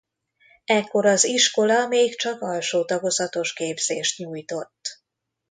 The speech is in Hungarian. Ekkor az iskola még csak alsó tagozatos képzést nyújtott.